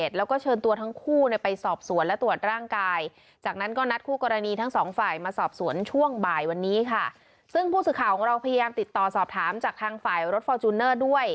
ซึ่งผู้สื่อข่าวของเราพยายามติดต่อสอบถามจากทางฝ่ายรถฟอร์จูเนอร์ด้วย